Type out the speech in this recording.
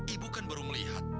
ibu kan baru melihat